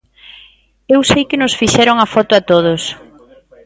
Eu sei que nos fixeron a foto a todos.